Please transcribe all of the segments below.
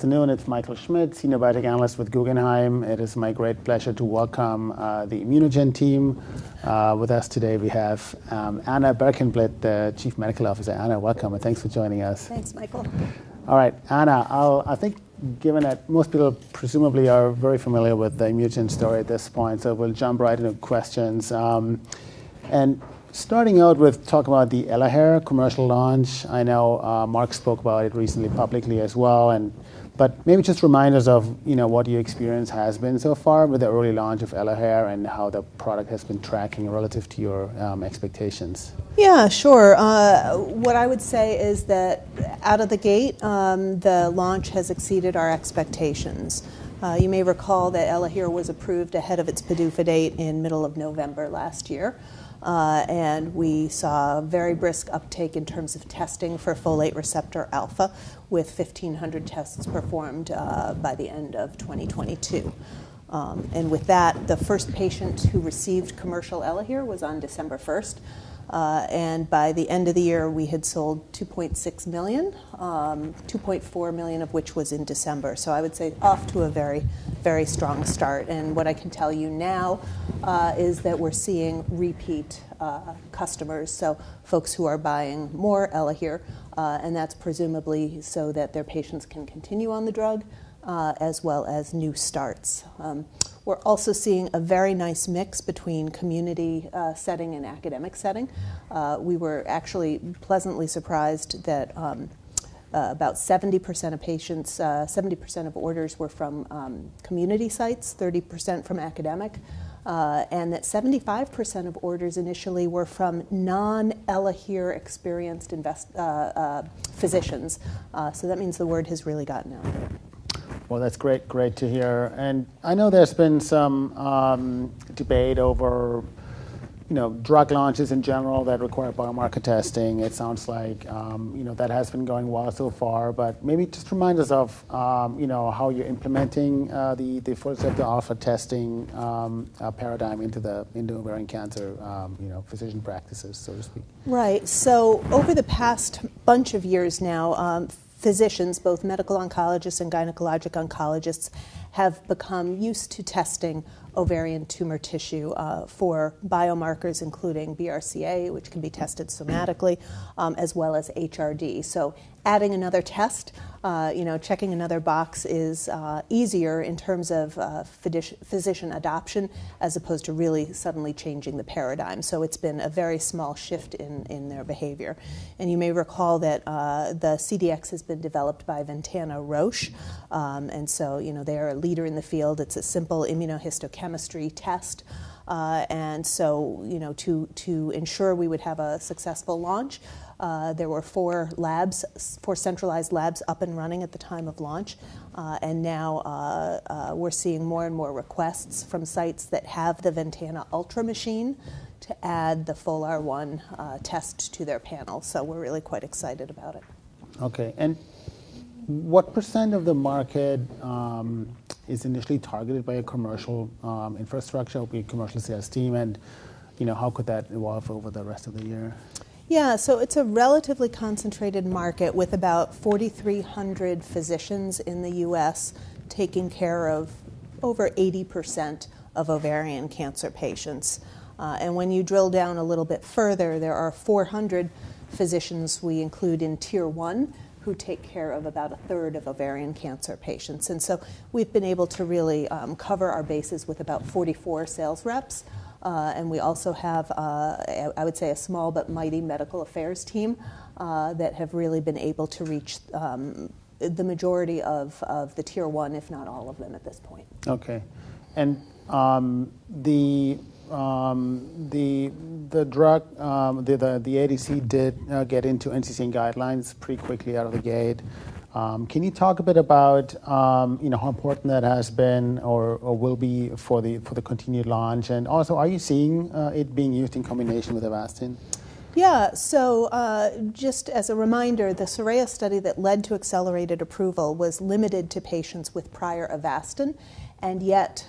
Afternoon, it's Michael Schmidt, Senior Biotech Analyst with Guggenheim. It is my great pleasure to welcome the ImmunoGen team. With us today we have Anna Berkenblit, the Chief Medical Officer. Anna, welcome, and thanks for joining us. Thanks, Michael. All right, Anna. I think given that most people presumably are very familiar with the ImmunoGen story at this point, we will jump right into questions. Starting out with talk about the ELAHERE commercial launch. I know Mark spoke about it recently publicly as well, but maybe just remind us of, you know, what your experience has been so far with the early launch of ELAHERE and how the product has been tracking relative to your expectations. Yeah, sure. What I would say is that out of the gate, the launch has exceeded our expectations. You may recall that ELAHERE was approved ahead of its PDUFA date in middle of November last year. We saw a very brisk uptake in terms of testing for folate receptor alpha with 1,500 tests performed by the end of 2022. With that, the first patient who received commercial ELAHERE was on December 1st. By the end of the year, we had sold $2.6 million, $2.4 million of which was in December. I would say off to a very, very strong start. What I can tell you now is that we're seeing repeat customers, so folks who are buying more ELAHERE, and that's presumably so that their patients can continue on the drug, as well as new starts. We are also seeing a very nice mix between community setting and academic setting. We were actually pleasantly surprised that about 70% of patients, 70% of orders were from community sites, 30% from academic, and that 75% of orders initially were from non-ELAHERE experienced physicians. That means the word has really gotten out. Well, that's great to hear. I know there's been some debate over, you know, drug launches in general that require biomarker testing. It sounds like, you know, that has been going well so far, but maybe just remind us of, you know, how you're implementing the folate alpha testing paradigm into the ovarian cancer, you know, physician practices, so to speak. Right. Over the past bunch of years now, physicians, both medical oncologists and gynecologic oncologists, have become used to testing ovarian tumor tissue for biomarkers including BRCA, which can be tested somatically, as well as HRD. Adding another test, you know, checking another box is easier in terms of physician adoption as opposed to really suddenly changing the paradigm. It's been a very small shift in their behavior. You may recall that the CDx has been developed by VENTANA Roche, and so you know, they are a leader in the field. It's a simple immunohistochemistry test. You know, to ensure we would have a successful launch, there were four labs, four centralized labs up and running at the time of launch. Now, we are seeing more and more requests from sites that have the BenchMark ULTRA machine to add the FOLR1 test to their panel. So we are really quite excited about it. Okay. What % of the market is initially targeted by a commercial infrastructure, be it commercial sales team, and, you know, how could that evolve over the rest of the year? Yeah. It's a relatively concentrated market with about 4,300 physicians in the U.S. taking care of over 80% of ovarian cancer patients. When you drill down a little bit further, there are 400 physicians we include in tier one who take care of about a third of ovarian cancer patients. We have been able to really cover our bases with about 44 sales reps. We also have, I would say a small but mighty medical affairs team, that have really been able to reach the majority of the tier one, if not all of them at this point. Okay. The drug, the ADC did get into NCCN guidelines pretty quickly out of the gate. Can you talk a bit about, you know, how important that has been or will be for the continued launch? Also, are you seeing it being used in combination with Avastin? Yeah. Just as a reminder, the SORAYA study that led to accelerated approval was limited to patients with prior Avastin. Yet,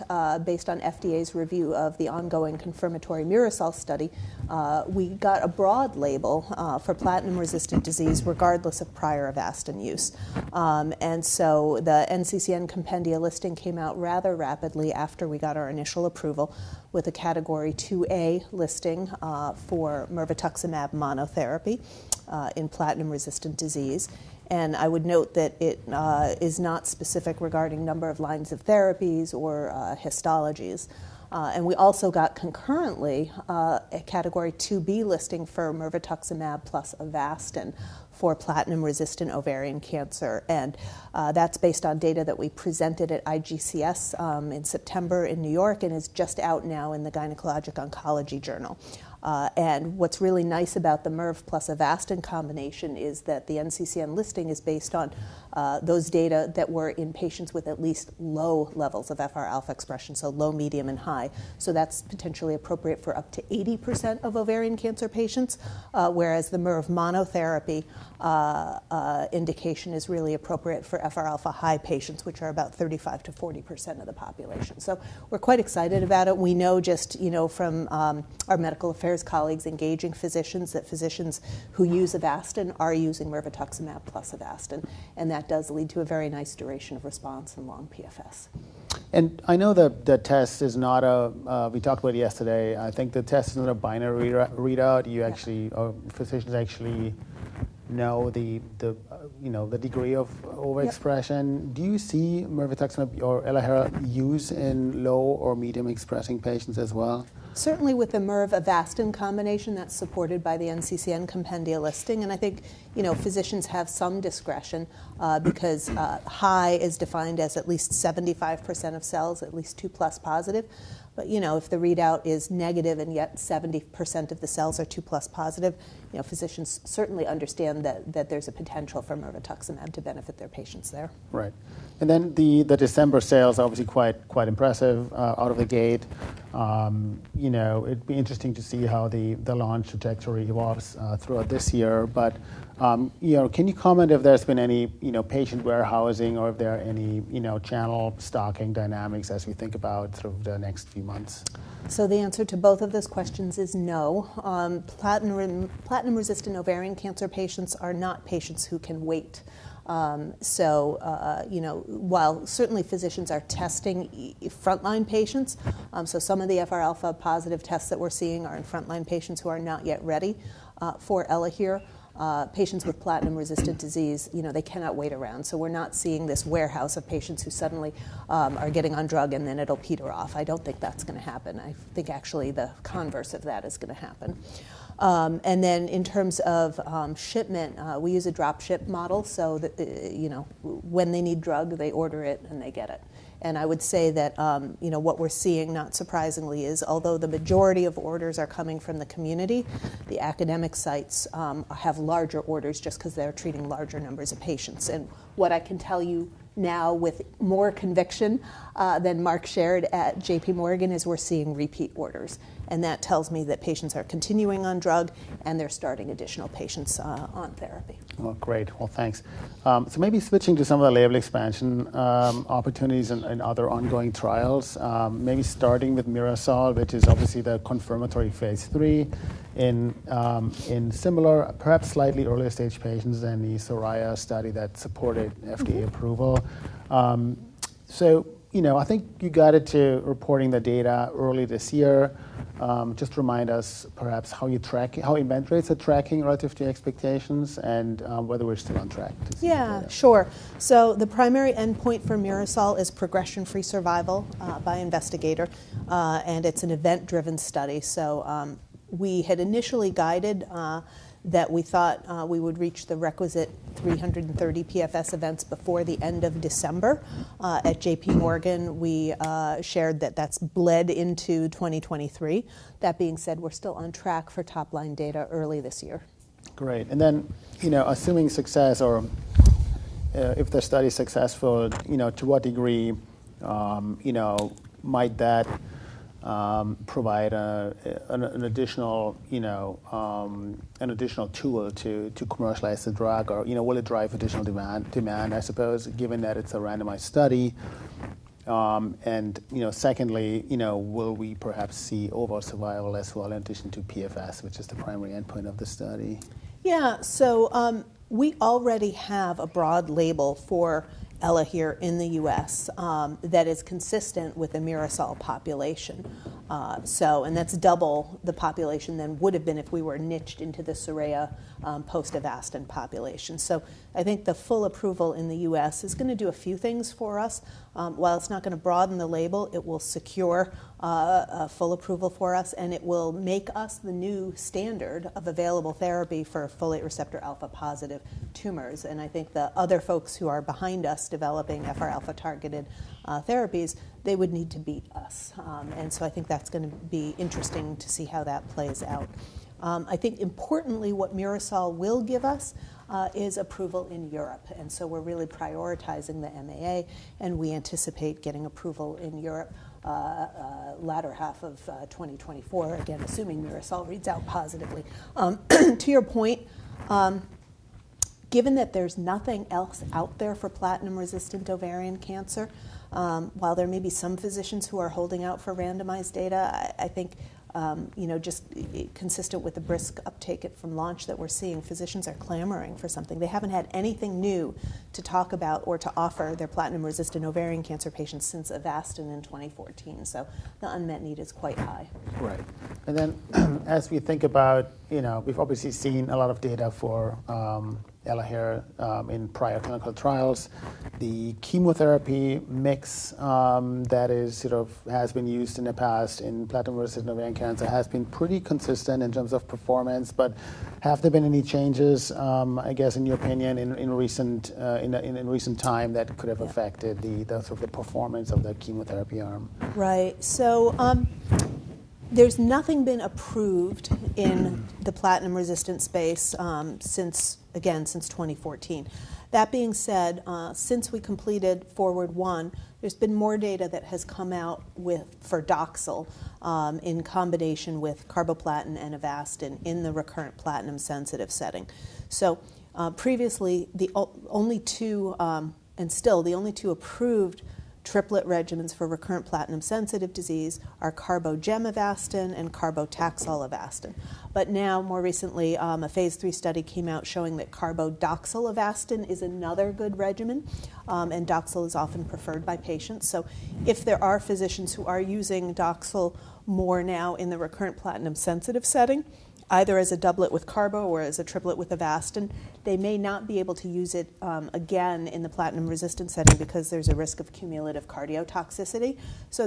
based on FDA's review of the ongoing confirmatory MIRASOL study, we got a broad label for platinum-resistant disease regardless of prior Avastin use. The NCCN compendia listing came out rather rapidly after we got our initial approval with a category two A listing for mirvetuximab monotherapy in platinum-resistant disease. I would note that it is not specific regarding number of lines of therapies or histologies. We also got concurrently a category two B listing for mirvetuximab plus Avastin for platinum-resistant ovarian cancer. That's based on data that we presented at IGCS in September in New York and is just out now in the Gynecologic Oncology Journal. What is really nice about the MIRV plus Avastin combination is that the NCCN listing is based on those data that were in patients with at least low levels of FRα expression, so low, medium, and high. So that's potentially appropriate for up to 80% of ovarian cancer patients, whereas the MIRV monotherapy indication is really appropriate for FRα high patients, which are about 35%-40% of the population. We are quite excited about it. We know just, you know, from our medical affairs colleagues engaging physicians, that physicians who use Avastin are using mirvetuximab plus Avastin, and that does lead to a very nice duration of response and long PFS. I know the test is not a we talked about it yesterday. I think the test is not a binary readout. Yeah. Physicians actually know the, you know, the degree of- Yeah overexpression. Do you see mirvetuximab or ELAHERE use in low or medium expressing patients as well? Certainly with the MIRV Avastin combination that's supported by the NCCN compendia listing, I think, you know, physicians have some discretion, because, high is defined as at least 75% of cells, at least 2+ positive. You know, if the readout is negative and yet 70% of the cells are 2+ positive, you know, physicians certainly understand that there's a potential for mirvetuximab to benefit their patients there. Right. The December sales obviously impressive, out of the gate. You know, it'd be interesting to see how the launch trajectory evolves, throughout this year. You know, can you comment if there is been any, you know, patient warehousing or if there are any, you know, channel stocking dynamics as we think about sort of the next few months? The answer to both of those questions is no. Platinum and platinum-resistant ovarian cancer patients are not patients who can wait. You know, while certainly physicians are testing e-frontline patients, so some of the FRα positive tests that we're seeing are in frontline patients who are not yet ready for ELAHERE. Patients with platinum-resistant disease, you know, they cannot wait around. We are not seeing this warehouse of patients who suddenly are getting on drug and then it'll peter off. I don't think that's gonna happen. I think actually the converse of that is gonna happen. And then in terms of shipment, we use a drop ship model so you know, when they need drug, they order it, and they get it. I would say that, you know, what we are seeing, not surprisingly, is although the majority of orders are coming from the community, the academic sites, have larger orders just 'cause they're treating larger numbers of patients. What I can tell you now with more conviction than Mark shared at JP Morgan is we are seeing repeat orders and that tells me that patients are continuing on drug and they're starting additional patients on therapy. Well, great. Well, thanks. Maybe switching to some of the label expansion, opportunities and other ongoing trials, maybe starting with MIRASOL, which is obviously the confirmatory phase 3 in similar perhaps slightly earlier stage patients than the SORAYA study that supported FDA approval. So you know, I think you guided to reporting the data early this year. Just remind us perhaps how inventories are tracking relative to your expectations and whether we are still on track to see the data. Yeah. Sure. The primary endpoint for MIRASOL is progression-free survival, by investigator. It's an event-driven study. We had initially guided that we thought we would reach the requisite 330 PFS events before the end of December. At JP Morgan, we shared that that's bled into 2023. That being said, we are still on track for top-line data early this year. Great. You know, assuming success or, if the study is successful, you know, to what degree, you know, might that provide an additional, you know, an additional tool to commercialize the drug or, you know, will it drive additional demand, I suppose, given that it's a randomized study? And you know, secondly, you know, will we perhaps see overall survival as well in addition to PFS, which is the primary endpoint of the study? We already have a broad label for ELAHERE in the U.S. that is consistent with the MIRASOL population. That's double the population than would have been if we were niched into the SORAYA post Avastin population. So I think the full approval in the U.S. is gonna do a few things for us. While it's not gonna broaden the label, it will secure a full approval for us, and it will make us the new standard of available therapy for folate receptor alpha positive tumors. I think the other folks who are behind us developing FRα-targeted therapies, they would need to beat us. I think that's gonna be interesting to see how that plays out. I think importantly, what Mirasol will give us is approval in Europe, and so we're really prioritizing the MAA, and we anticipate getting approval in Europe, latter half of 2024, again, assuming Mirasol reads out positively. To your point, given that there is nothing else out there for platinum-resistant ovarian cancer, while there may be some physicians who are holding out for randomized data, I think, you know, just consistent with the brisk uptake it from launch that we are seeing, physicians are clamoring for something. They haven't had anything new to talk about or to offer their platinum-resistant ovarian cancer patients since Avastin in 2014. The unmet need is quite high. Right. As we think about, you know, we've obviously seen a lot of data for ELAHERE in prior clinical trials. The chemotherapy mix that is sort of has been used in the past in platinum-resistant ovarian cancer has been pretty consistent in terms of performance, have there been any changes, I guess in your opinion in recent time that could have- Yeah... affected the sort of the performance of the chemotherapy arm? Right. There's nothing been approved in the platinum-resistant space, since again, since 2014. That being said, since we completed FORWARD I, there's been more data that has come out with for Doxil, in combination with carboplatin and Avastin in the recurrent platinum-sensitive setting. So previously the only two, and still the only two approved triplet regimens for recurrent platinum-sensitive disease are carbogem Avastin and carbotaxol Avastin. Now more recently, a phase 3 study came out showing that carbodoxil Avastin is another good regimen, and Doxil is often preferred by patients. If there are physicians who are using Doxil more now in the recurrent platinum-sensitive setting, either as a doublet with carbo or as a triplet with Avastin, they may not be able to use it again in the platinum-resistant setting because there's a risk of cumulative cardiotoxicity.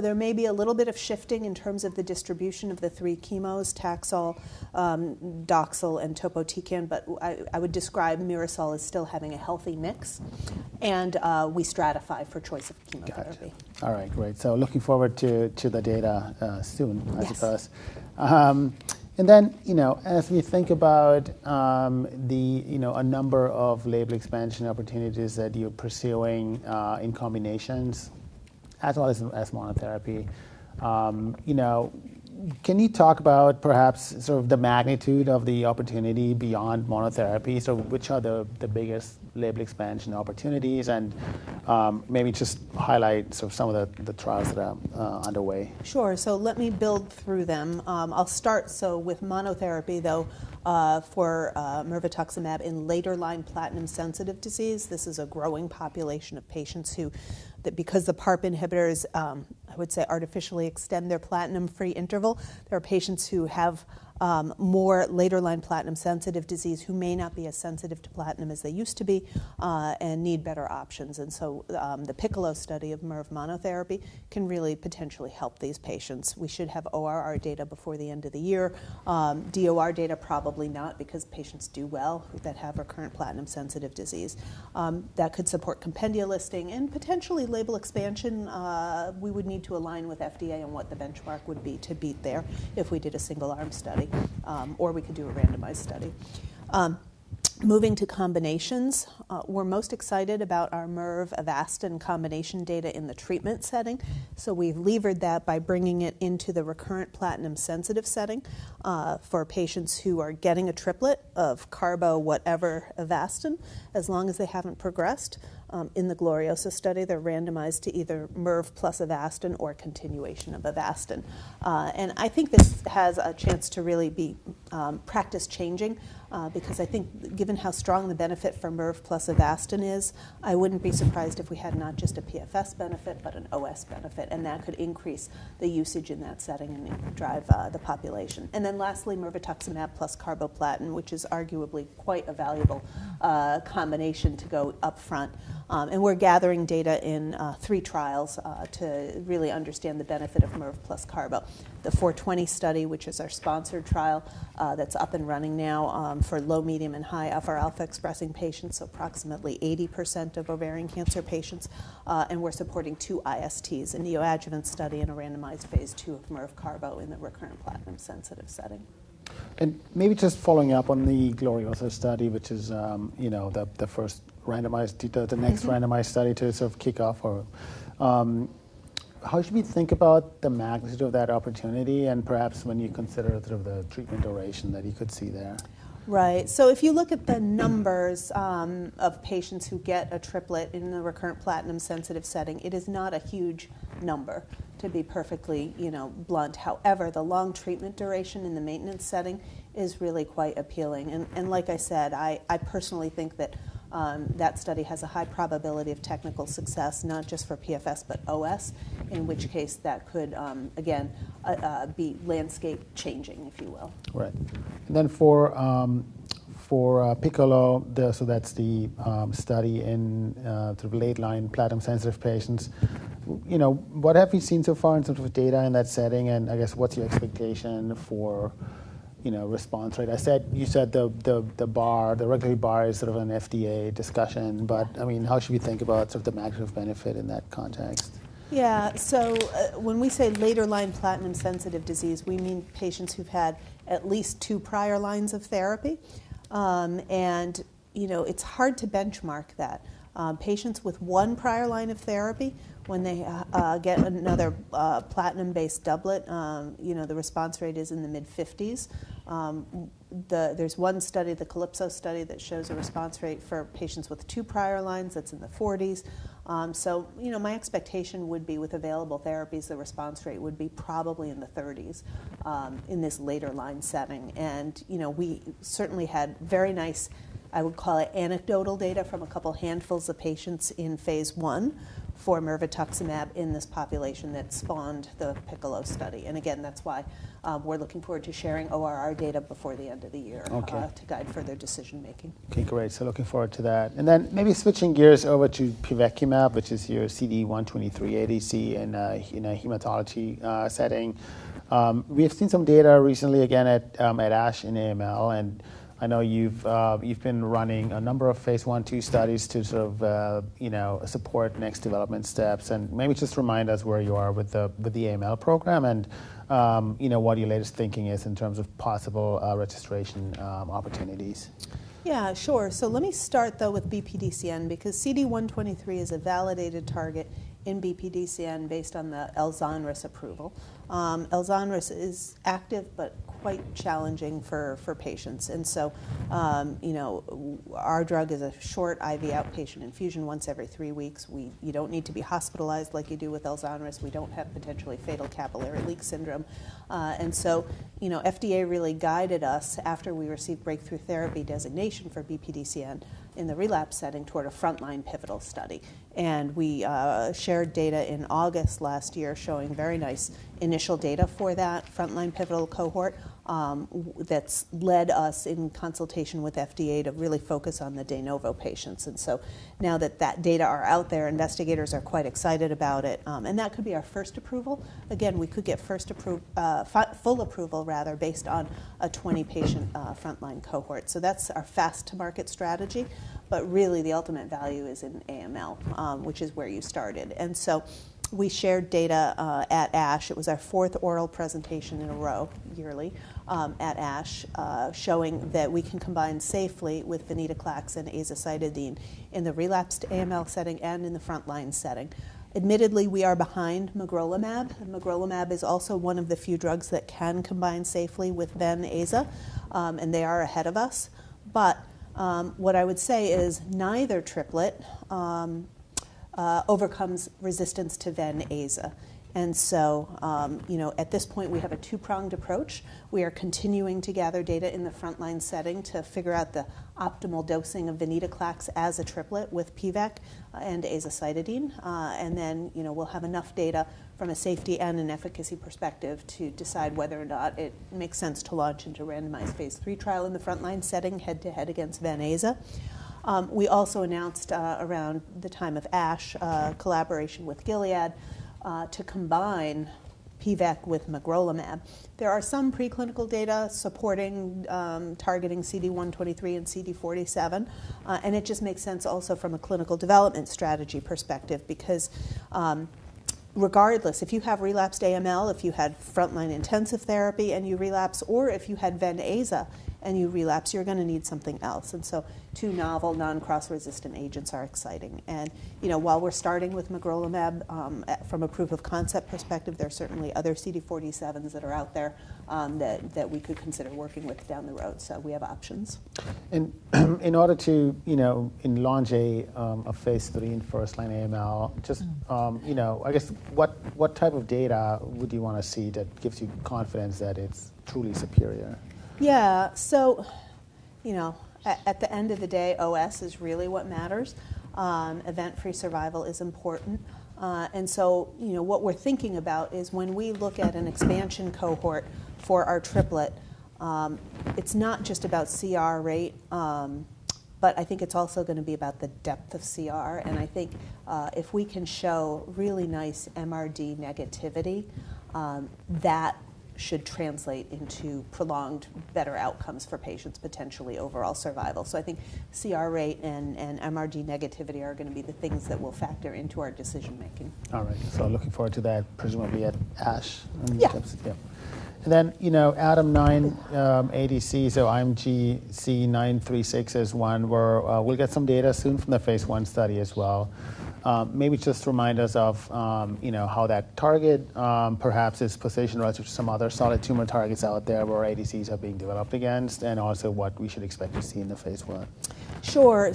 There may be a little bit of shifting in terms of the distribution of the 3 chemos, Taxol, Doxil, and topotecan. I would describe MIRASOL as still having a healthy mix, and we stratify for choice of chemotherapy. Got it. All right. Great. Looking forward to the data, soon- Yes... I suppose. And then you know, as we think about, you know, a number of label expansion opportunities that you're pursuing, in combinations as well as monotherapy, you know, can you talk about perhaps sort of the magnitude of the opportunity beyond monotherapy? Which are the biggest label expansion opportunities? Maybe just highlight so some of the trials that are underway. Sure. Let me build through them. I will start so with monotherapy, though, for mirvetuximab in later-line platinum-sensitive disease. This is a growing population of patients who, that because the PARP inhibitors, I would say, artificially extend their platinum-free interval, there are patients who have more later-line platinum-sensitive disease who may not be as sensitive to platinum as they used to be and need better options. The PICCOLO study of MIRV monotherapy can really potentially help these patients. We should have ORR data before the end of the year. DOR data, probably not because patients do well that have recurrent platinum-sensitive disease. That could support compendia listing and potentially label expansion. We would need to align with FDA on what the benchmark would be to beat there if we did a single-arm study, or we could do a randomized study. Moving to combinations. We're most excited about our MIRV Avastin combination data in the treatment setting. We've levered that by bringing it into the recurrent platinum sensitive setting, for patients who are getting a triplet of carbo, whatever, Avastin, as long as they haven't progressed. In the GLORIOSA study, they are randomized to either MIRV plus Avastin or continuation of Avastin. I think this has a chance to really be practice-changing because I think given how strong the benefit for MIRV plus Avastin is, I wouldn't be surprised if we had not just a PFS benefit, but an OS benefit, and that could increase the usage in that setting and drive the population. And lastly, mirvetuximab plus carboplatin, which is arguably quite a valuable combination to go up front. We're gathering data in 3 trials to really understand the benefit of MIRV plus carbo. The Study-420, which is our sponsored trial, that's up and running now for low, medium, and high FRα-expressing patients, so approximately 80% of ovarian cancer patients. We're supporting 2 ISTs, a neoadjuvant study and a randomized Phase II of MIRV carbo in the recurrent platinum-sensitive setting. Maybe just following up on the GLORIOSA study, which is, you know, the first randomized, the next randomized study to sort of kick off. How should we think about the magnitude of that opportunity and perhaps when you consider sort of the treatment duration that you could see there? Right. If you look at the numbers, of patients who get a triplet in the recurrent platinum-sensitive setting, it is not a huge number to be perfectly, you know, blunt. However, the long treatment duration in the maintenance setting is really quite appealing. Like I said, I personally think that study has a high probability of technical success, not just for PFS, but OS, in which case that could, again, be landscape changing, if you will. Right. For PICCOLO, that's the study in sort of late-line platinum-sensitive patients. You know, what have you seen so far in terms of data in that setting? I guess, what is your expectation for, you know, response rate? You said the bar, the regulatory bar is sort of an FDA discussion, I mean, how should we think about sort of the magnitude of benefit in that context? When we say later-line platinum-sensitive disease, we mean patients who've had at least 2 prior lines of therapy. You know, it's hard to benchmark that. Patients with 1 prior line of therapy, when they get another platinum-based doublet, you know, the response rate is in the mid-50s. There's 1 study, the CALYPSO study, that shows a response rate for patients with 2 prior lines that's in the 40s. You know, my expectation would be with available therapies, the response rate would be probably in the 30s in this later line setting. You know, we certainly had very nice, I would call it anecdotal data from a couple handfuls of patients in phase I for mirvetuximab in this population that spawned the PICCOLO study. Again, that's why, we're looking forward to sharing ORR data before the end of the year. Okay To guide further decision-making. Okay. Great. Looking forward to that. Then maybe switching gears over to pivekimab, which is your CD123 ADC in a hematology setting. We have seen some data recently, again, at ASH in AML, and I know you've been running a number of Phase I and II studies to sort of, you know, support next development steps. Maybe just remind us where you are with the AML program and, you know, what your latest thinking is in terms of possible registration opportunities. Yeah. Sure. Let me start, though, with BPDCN because CD123 is a validated target in BPDCN based on the ELZONRIS approval. ELZONRIS is active but quite challenging for patients. And so, you know, our drug is a short IV outpatient infusion once every three weeks. You don't need to be hospitalized like you do with ELZONRIS. We don't have potentially fatal capillary leak syndrome. You know, FDA really guided us after we received Breakthrough Therapy designation for BPDCN in the relapse setting toward a frontline pivotal study. And we shared data in August last year showing very nice initial data for that frontline pivotal cohort that's led us in consultation with FDA to really focus on the de novo patients. Now that that data are out there, investigators are quite excited about it. And that could be our first approval. Again, we could get first full approval, rather, based on a 20-patient frontline cohort. That's our fast-to-market strategy. Really the ultimate value is in AML, which is where you started. We shared data at ASH. It was our fourth oral presentation in a row yearly at ASH, showing that we can combine safely with venetoclax and azacitidine in the relapsed AML setting and in the frontline setting. Admittedly, we are behind magrolimab. Magrolimab is also one of the few drugs that can combine safely with ven/aza, and they are ahead of us. What I would say is neither triplet overcomes resistance to ven/aza. You know, at this point, we have a two-pronged approach. We are continuing to gather data in the frontline setting to figure out the optimal dosing of venetoclax as a triplet with PVEK and azacitidine. You know, we will have enough data from a safety and an efficacy perspective to decide whether or not it makes sense to launch into randomized phase III trial in the frontline setting head-to-head against ven/aza. We also announced, around the time of ASH, collaboration with Gilead to combine PVEK with magrolimab. There are some preclinical data supporting targeting CD123 and CD47. It just makes sense also from a clinical development strategy perspective because regardless if you have relapsed AML, if you had frontline intensive therapy and you relapse, or if you had ven/aza and you relapse, you're going to need something else. Two novel non-cross resistant agents are exciting. You know, while we're starting with magrolimab, from a proof of concept perspective, there are certainly other CD47s that are out there, that we could consider working with down the road. We have options. In order to, you know, and launch a Phase III in first-line AML, just, you know, I guess what type of data would you wanna see that gives you confidence that it's truly superior? Yeah. So you know, at the end of the day, OS is really what matters. event-free survival is important. you know, what we are thinking about is when we look at an expansion cohort for our triplet, it's not just about CR rate, I think it's also gonna be about the depth of CR. I think if we can show really nice MRD negativity, that should translate into prolonged better outcomes for patients, potentially overall survival. I think CR rate and MRD negativity are gonna be the things that will factor into our decision-making. All right. looking forward to that, presumably at ASH on these types- Yeah. Yeah. Then, you know, ADAM9, ADCs, IMGC936 is one where, we'll get some data soon from the phase I study as well. Maybe just remind us of, you know, how that target, perhaps is positioned relative to some other solid tumor targets out there where ADCs are being developed against, and also what we should expect to see in the phase I. Sure.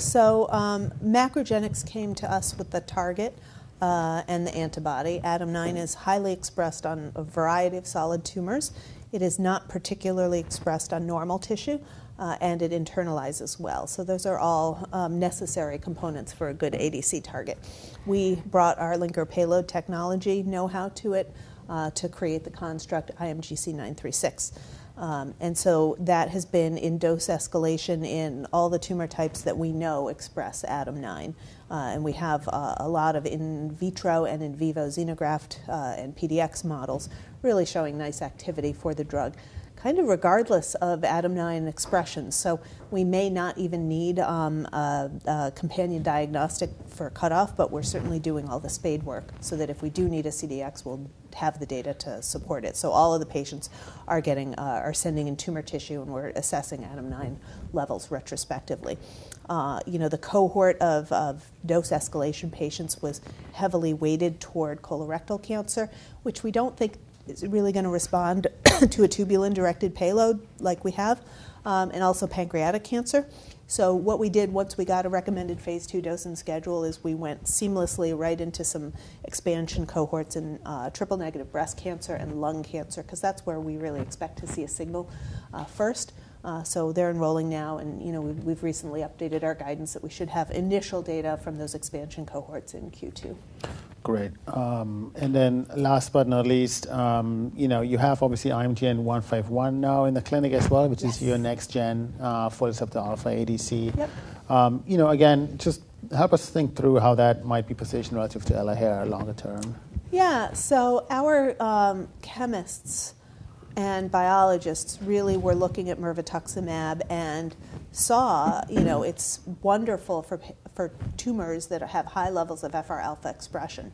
MacroGenics came to us with the target, and the antibody. ADAM9 is highly expressed on a variety of solid tumors. It is not particularly expressed on normal tissue, and it internalizes well. So those are all necessary components for a good ADC target. We brought our linker payload technology know-how to it, to create the construct IMGC936. That has been in dose escalation in all the tumor types that we know express ADAM9. We have a lot of in vitro and in vivo xenograft, and PDX models really showing nice activity for the drug, kind of regardless of ADAM9 expression. We may not even need a companion diagnostic for cutoff, but we're certainly doing all the spade work so that if we do need a CDX, we'll have the data to support it. All of the patients are sending in tumor tissue, and we're assessing ADAM9 levels retrospectively. You know, the cohort of dose escalation patients was heavily weighted toward colorectal cancer, which we don't think is really gonna respond to a tubulin-directed payload like we have, and also pancreatic cancer. So what we did once we got a recommended Phase II dosing schedule is we went seamlessly right into some expansion cohorts in triple-negative breast cancer and lung cancer 'cause that's where we really expect to see a signal first. They are enrolling now and, you know, we've recently updated our guidance that we should have initial data from those expansion cohorts in Q2. Great. Last but not least, you know, you have obviously IMGN151 now in the clinic as well. Yes. Which is your next gen, folate receptor alpha ADC. Yep. You know, again, just help us think through how that might be positioned relative to ELAHERE longer term. Yeah. Our chemists and biologists really were looking at mirvetuximab and saw, you know, it's wonderful for for tumors that have high levels of FRα expression.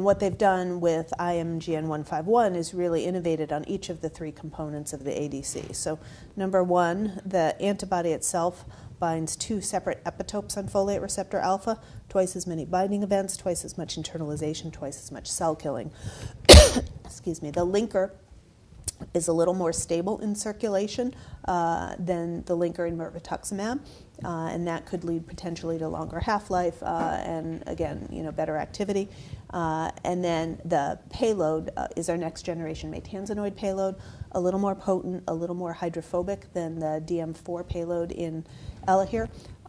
What they've done with IMGN151 is really innovated on each of the 3 components of the ADC. Number 1, the antibody itself binds 2 separate epitopes on folate receptor alpha, twice as many binding events, twice as much internalization, twice as much cell killing. Excuse me. The linker is a little more stable in circulation than the linker in mirvetuximab, and that could lead potentially to longer half-life, and again, you know, better activity. The payload is our next generation maytansinoid payload, a little more potent, a little more hydrophobic than the DM4 payload in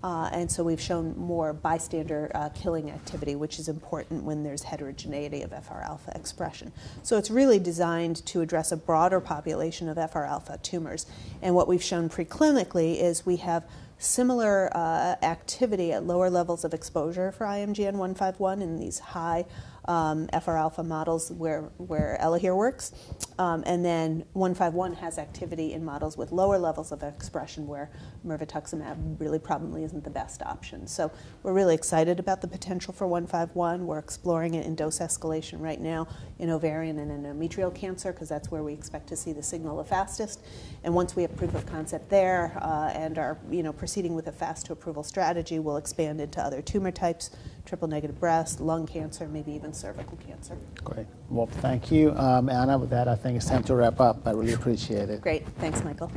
ELAHERE. We've shown more bystander killing activity, which is important when there Is heterogeneity of FRα expression. It's really designed to address a broader population of FRα tumors. What we've shown pre-clinically is we have similar activity at lower levels of exposure for IMGN151 in these high FRα models where ELAHERE works. 151 has activity in models with lower levels of expression where mirvetuximab really probably isn't the best option. We are really excited about the potential for 151. We're exploring it in dose escalation right now in ovarian and endometrial cancer 'cause that's where we expect to see the signal the fastest. Once we have proof of concept there, and are, you know, proceeding with a fast to approval strategy, we'll expand into other tumor types, triple negative breast, lung cancer, maybe even cervical cancer. Great. Well, thank you, Anna. With that, I think it's time to wrap up. I really appreciate it. Great. Thanks, Michael.